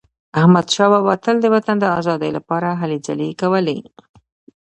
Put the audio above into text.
احمدشاه بابا تل د وطن د ازادی لپاره هلې ځلي کولي.